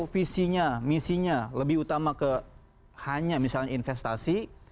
visinya misinya lebih utama ke hanya misalnya investasi